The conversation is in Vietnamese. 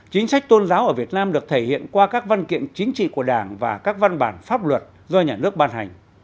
chính sách tôn giáo ở việt nam được thể hiện qua các văn kiện chính trị của đảng và các văn bản pháp luật do nhà nước ban hành